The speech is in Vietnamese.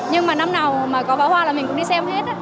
nhưng mà năm nào mà có pháo hoa là mình cũng đi xem hết